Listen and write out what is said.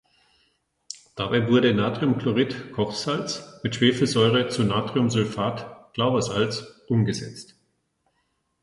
Dabei wurde Natriumchlorid (Kochsalz) mit Schwefelsäure zu Natriumsulfat (Glaubersalz) umgesetzt.